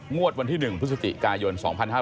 ๕๓๓๗๒๖งวดวันที่๑พฤศจิกายน๒๕๖๐